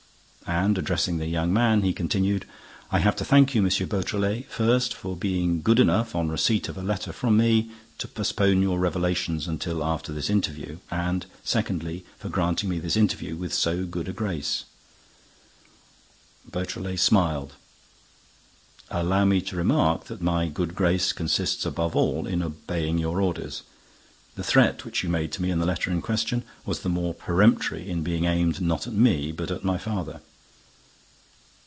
And, addressing the young man, he continued, "I have to thank you, M. Beautrelet, first, for being good enough, on receipt of a letter from me, to postpone your revelations until after this interview and, secondly, for granting me this interview with so good a grace." Beautrelet smiled: "Allow me to remark that my good grace consists, above all, in obeying your orders. The threat which you made to me in the letter in question was the more peremptory in being aimed not at me, but at my father."